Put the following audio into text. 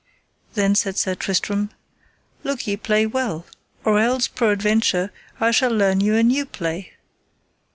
Then said Sir Tristram: Look ye play well, or else peradventure I shall learn you a new play.